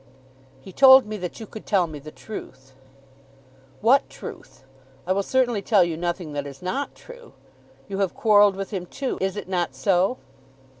"He told me that you could tell me the truth." "What truth? I will certainly tell you nothing that is not true. You have quarrelled with him too. Is it not so?"